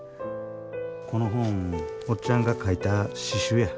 この本おっちゃんが書いた詩集や。